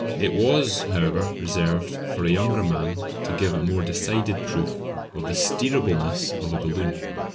It was, however, reserved for a younger man to give a more decided proof of the steerableness of a balloon.